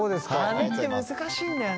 はねって難しいんだよね。